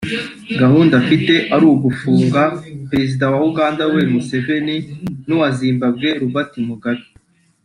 gahunda afite ari ugufunga Perezida wa Uganda Yoweri Museveni n’uwa Zimbabwe Robert Mugabe